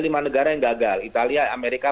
lima negara yang gagal italia amerika